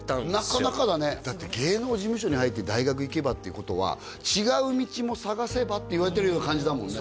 なかなかだねだって芸能事務所に入って「大学行けば？」っていうことは違う道も探せば？って言われてるような感じだもんね